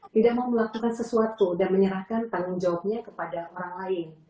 tidak mau melakukan sesuatu dan menyerahkan tanggung jawabnya kepada orang lain